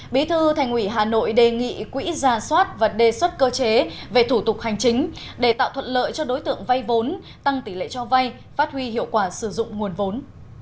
bí thư thành ủy hà nội đề nghị quỹ ra soát và đề xuất cơ chế về thủ tục hành chính để tạo thuận lợi cho đối tượng vay vốn tăng tỷ lệ cho vay phát huy hiệu quả sử dụng nguồn vốn